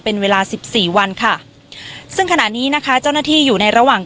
เป็นเวลาสิบสี่วันค่ะซึ่งขณะนี้นะคะเจ้าหน้าที่อยู่ในระหว่าง